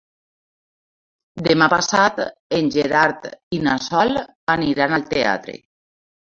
Demà passat en Gerard i na Sol aniran al teatre.